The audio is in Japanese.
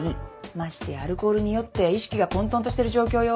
ましてアルコールに酔って意識が混沌としてる状況よ。